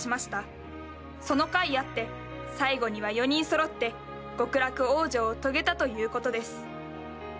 そのかいあって最後には４人そろって極楽往生を遂げたということです。